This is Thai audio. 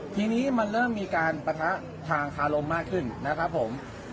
ทีนี้มันเริ่มมีการปะทะทางคารมมากขึ้นนะครับผม